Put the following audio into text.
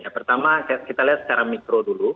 pertama kita lihat secara mikro dulu